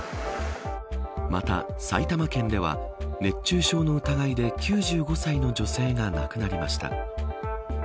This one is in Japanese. また、埼玉県では熱中症の疑いで９５歳の女性が亡くなりました。